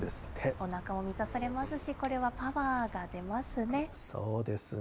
おなかも満たされますし、これはパワーが出ますね。